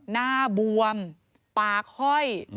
หน้าบวมปากห้อย